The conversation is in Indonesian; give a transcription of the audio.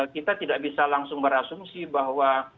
kita tidak bisa langsung berasumsi bahwa